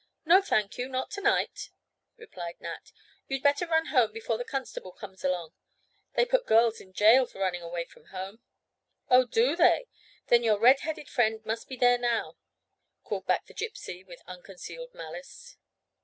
"No, thank you, not to night," replied Nat. "You'd better run home before the constable comes along. They put girls in jail for running away from home." "Oh, do they? Then your red headed friend must be there now," called back the Gypsy with unconcealed malice.